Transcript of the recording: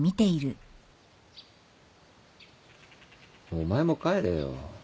お前も帰れよ。